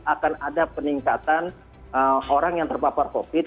akan ada peningkatan orang yang terpapar covid